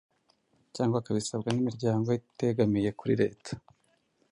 cyangwa akabisabwa n’imiryango itegamiye kuri Leta